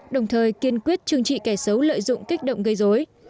đồng thời kiên quyết chương trị kẻ xấu lợi dụng kích động gây dối